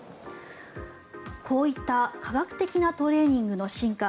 こういった科学的なトレーニングの進化